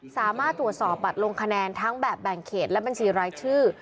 สามารถตรวจสอบบัตรลงคะแนนทั้งแบบแบ่งเขตและบัญชีรายชื่อ